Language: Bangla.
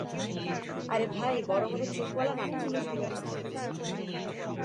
আরে ভাই, বড় বড় চোখওয়ালা নাটা জিনিসগুলোর কথা বলছি।